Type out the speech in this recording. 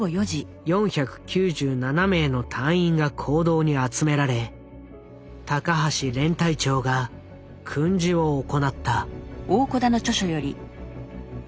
４９７名の隊員が講堂に集められ高橋連隊長が訓示を行った。